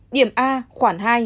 điểm a khoảng hai